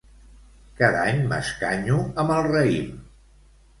Cada any m'escanyo amb el raïm